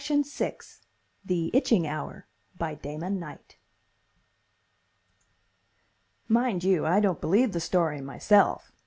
The End THE ITCHING HOUR by Damon Knight Mind you, I don't believe the story, myself.